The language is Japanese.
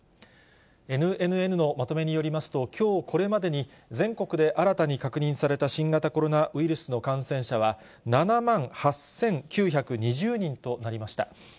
ＮＮＮのまとめによりますと、きょうこれまでに、全国で新たに確認された新型コロナウイルスの感染者は、７万８９２０人となりました。